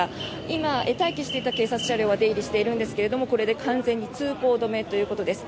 今、待機していた警察車両が出入りしているんですがこれで完全に通行止めということです。